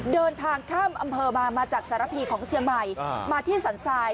เดินทางข้ามอำเภอมามาจากสารพีของเชียงใหม่มาที่สรรทราย